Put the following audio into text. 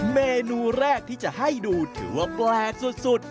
เมนูแรกที่จะให้ดูถือว่าแปลกสุด